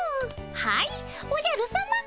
はいおじゃるさま。